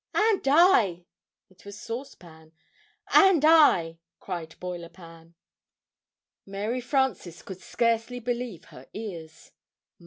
"And I!" It was Sauce Pan. "And I!" cried Boiler Pan. Mary Frances could scarcely believe her ears.